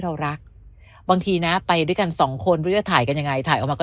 เรารักบางทีนะไปด้วยกัน๒คนถ่ายกันยังไงถ่ายออกมาก็